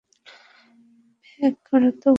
Mac মারাত্মকভাবে আহত হয়ে হাসপাতালে ভর্তি হন।